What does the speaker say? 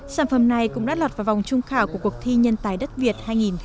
sản phẩm này cũng đã lọt vào vòng trung khảo của cuộc thi nhân tài đất việt hai nghìn một mươi chín